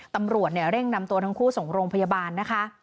ตำรวจเร่งนำตัวทั้งคู่ส่งโรงพยาบาลนะคะ